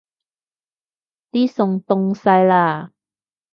啲餸凍晒喇